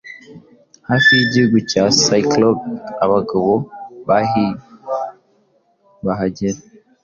hafi y'igihugu cya CyclopeAbagabo bahie bahagera